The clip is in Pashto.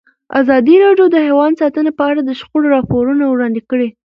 ازادي راډیو د حیوان ساتنه په اړه د شخړو راپورونه وړاندې کړي.